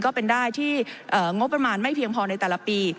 ก็เป็นได้ที่งบประมาณไม่เพียงพอในแต่ละปี